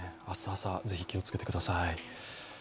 明日朝、ぜひ気をつけてください。